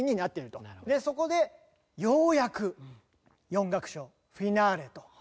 そこでようやく４楽章フィナーレと。